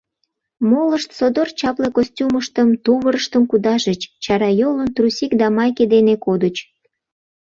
Молышт содор чапле костюмыштым, тувырыштым кудашыч, чарайолын, трусик да майке дене кодыч.